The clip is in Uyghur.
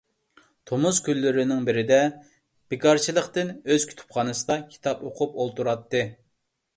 تومۇز كۈنلىرىنىڭ بىرىدە، بىكارچىلىقتىن ئۆز كۇتۇپخانىسىدا كىتاب ئوقۇپ ئولتۇراتتى.